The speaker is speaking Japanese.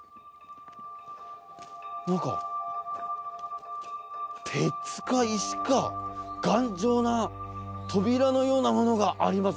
何か鉄か石か頑丈な扉のようなものがあります